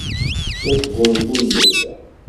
D asgunfu n lebda.